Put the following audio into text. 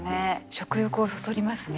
食欲をそそりますね